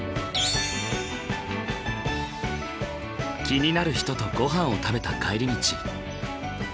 気になる人とごはんを食べた帰り道。